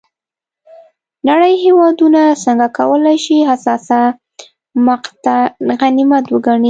نړۍ هېوادونه څنګه کولای شي حساسه مقطعه غنیمت وګڼي.